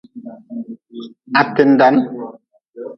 Ha tindan.